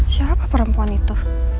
siapa perempuan itu